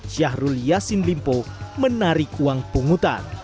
syahrul yassin limpo menarik uang pungutan